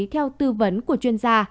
theo tư vấn của chuyên gia